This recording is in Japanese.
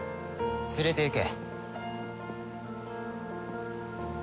連れて行け。